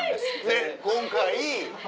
で今回。